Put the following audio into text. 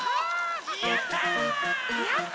やった！